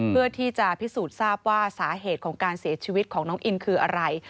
เพื่อที่จะพิสูจน์ทราบว่าสาเหตุของการเสียชีวิตของน้องอินคืออะไร